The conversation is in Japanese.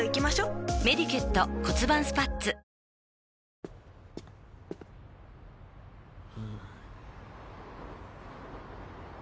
うん。